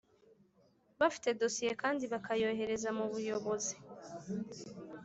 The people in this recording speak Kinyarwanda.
bafite dosiye kandi bakayohereza mu buyobozi